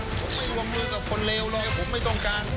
ผมไม่วงมือกับคนเลวเลยผมไม่ต้องการ